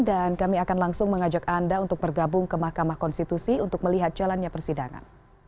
dan kami akan langsung mengajak anda untuk bergabung ke mahkamah konstitusi untuk melihat jalannya persidangan